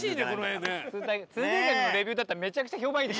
通天閣のレビューだったらめちゃくちゃ評判いいでしょ。